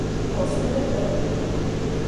Poste revenu.